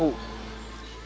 gue nggak tahu